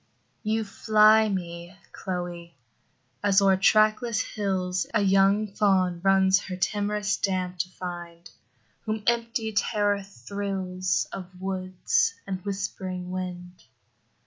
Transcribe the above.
You fly me, Chloe, as o'er trackless hills A young fawn runs her timorous dam to find, Whom empty terror thrills Of woods and whispering wind.